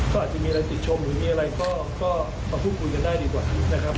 ก็อาจจะมีอะไรติดชมหรือมีอะไรก็มาพูดคุยกันได้ดีกว่านะครับ